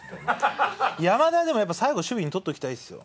山田はでもやっぱ最後守備に取っておきたいですよ。